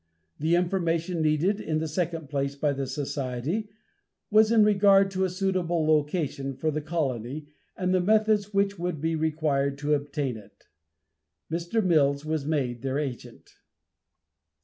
The information needed, in the second place, by the society was in regard to a suitable location for the colony, and the methods which would be required to obtain it. Mr. Mills was made their agent.